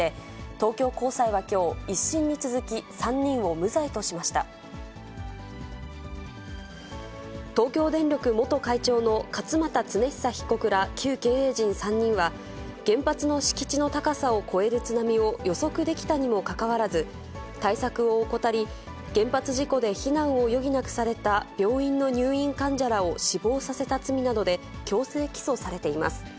東京電力元会長の勝俣恒久被告ら旧経営陣３人は、原発の敷地の高さを超える津波を予測できたにもかかわらず、対策を怠り、原発事故で避難を余儀なくされた病院の入院患者らを死亡させた罪などで、強制起訴されています。